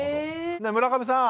村上さん。